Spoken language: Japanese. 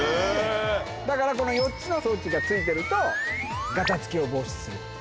だからこの４つの装置が付いてるとガタつきを防止する。